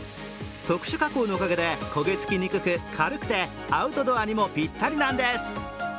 特殊加工のおかげで焦げ付きにくく軽くてアウトドアにもぴったりなんです。